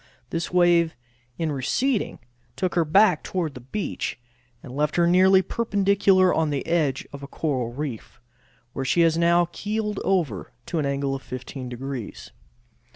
This wave in receding took her back toward the beach, and left her nearly perpendicular on the edge of a coral reef, where she has now keeled over to an angle of 15 degrees.